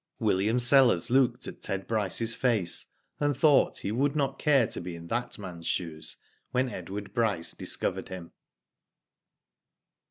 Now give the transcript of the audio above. William Sellers looked at Ted Bryce's face, and thought he would not care to be in that man's shoes when Edward Bryce discovered him.